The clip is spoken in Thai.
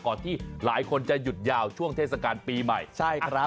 ก่อนที่หลายคนจะหยุดยาวช่วงเทศกาลปีใหม่